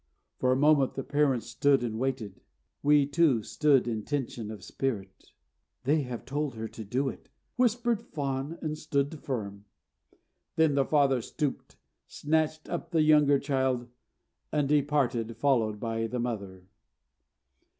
For a moment the parents stood and waited. We, too, stood in tension of spirit. "They have told her to do it," whispered Fawn, and stood firm. Then the father stooped, snatched up the younger child, and departed, followed by the mother.